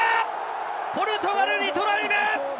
ポルトガル、２トライ目！